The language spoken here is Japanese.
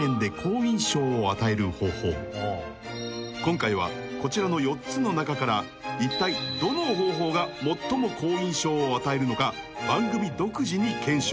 ［今回はこちらの４つの中からいったいどの方法が最も好印象を与えるのか番組独自に検証］